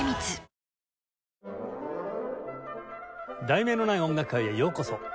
『題名のない音楽会』へようこそ。